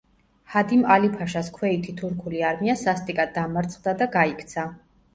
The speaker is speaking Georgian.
ჰადიმ ალი-ფაშას ქვეითი თურქული არმია სასტიკად დამარცხდა და გაიქცა.